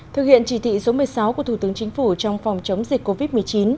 thực hiện chỉ thị số một mươi sáu của thủ tướng chính phủ trong phòng chống dịch covid một mươi chín